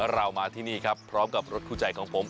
เรามาที่นี่ครับพร้อมกับรถคู่ใจของผม